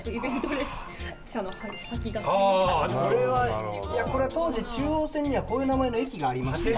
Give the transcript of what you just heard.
これはいやこれは当時中央線にはこういう名前の駅がありました。